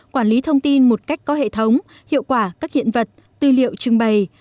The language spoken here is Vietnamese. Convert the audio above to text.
quản lý thông tin một cách có hệ thống hiệu quả các hiện vật tư liệu trưng bày